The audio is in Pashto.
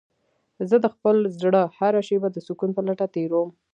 زه د خپل زړه هره شېبه د سکون په لټه تېرووم.